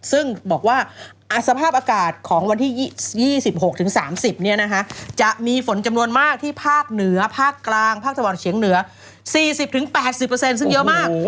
ซึ่งบอกว่าสภาพอากาศของวันที่๒๖๓๐จะมีฝนจำนวนมากที่ภาคเหนือภาคกลางภาคตะวันเฉียงเหนือ๔๐๘๐ซึ่งเยอะมาก